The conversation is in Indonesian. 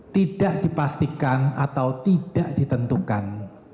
tidak dipastikan atau tidak ditentukan